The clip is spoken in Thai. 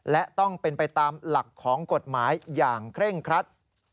และต้องเป็นไปตามหลักของกฎหมายอย่างเคร่งครัด